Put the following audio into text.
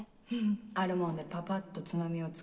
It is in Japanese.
あるもんでパパっとつまみを作る。